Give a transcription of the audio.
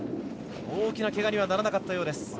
大きなけがにはならなかったようです。